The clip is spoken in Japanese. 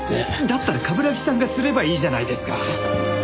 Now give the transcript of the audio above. だったら冠城さんがすればいいじゃないですか。